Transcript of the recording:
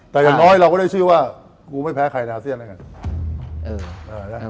แต่อย่างน้อยเราก็ได้ชื่อว่ากูไม่แพ้ใครอาเซียนแล้วกัน